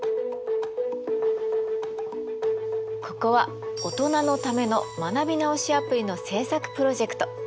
ここはオトナのための学び直しアプリの制作プロジェクト。